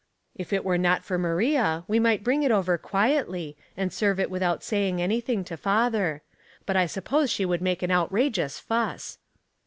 If it were not for Maria we might bring it over quietly, and serve it without saying anything to father ; but I suppose she would make an outrageous fuss."